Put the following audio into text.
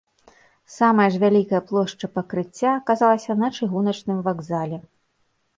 Самая ж вялікая плошча пакрыцця аказалася на чыгуначным вакзале.